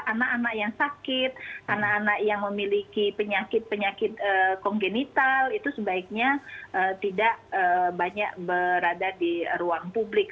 anak anak yang sakit anak anak yang memiliki penyakit penyakit kongenital itu sebaiknya tidak banyak berada di ruang publik